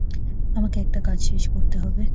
আমাকে একটা কাজ শেষ করতে হবে।